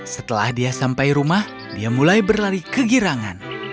setelah dia sampai rumah dia mulai berlari ke girangan